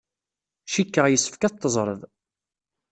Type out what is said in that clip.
Cikkeɣ yessefk ad t-teẓred.